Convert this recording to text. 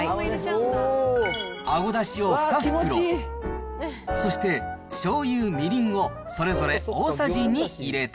あごだしを２袋、そしてしょうゆ、みりんをそれぞれ大さじ２入れて。